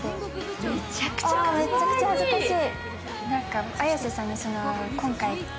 めちゃくちゃ恥ずかしい。